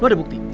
lo ada bukti